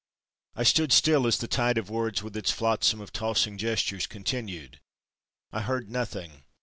I stood still as the tide of words with its flotsam of tossing gestures, continued—I heard nothing.